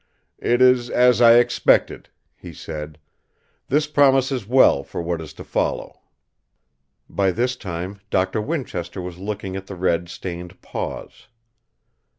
"It is as I expected," he said. "This promises well for what is to follow." By this time Doctor Winchester was looking at the red stained paws.